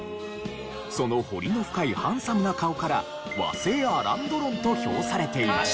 その彫りの深いハンサムな顔から和製アラン・ドロンと評されていました。